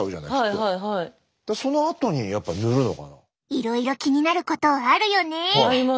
いろいろ気になることあるよね。あります。